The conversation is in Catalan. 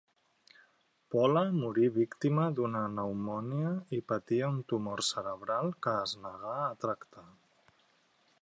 Pola morí víctima d'una pneumònia i patia un tumor cerebral que es negà a tractar.